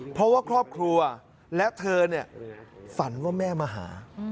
เพราะว่าครอบครัวและเธอฝันว่าแม่มาหา